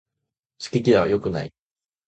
好き嫌いは良くない